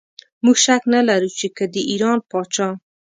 موږ شک نه لرو چې که د ایران پاچا.